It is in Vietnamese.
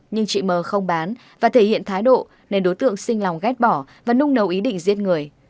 nhưng chị m không bán và thể hiện thái độ nên đối tượng xin lòng ghép bỏ và nung nấu ý định giết người